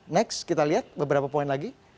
next kita lihat beberapa poin lagi